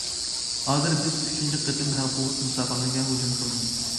ھازىر بىز ئۈچىنچى قېتىم ھەل قىلغۇچ مۇسابىقىگە ھۇجۇم قىلىمىز.